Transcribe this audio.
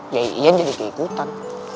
ya yan jadi keikutan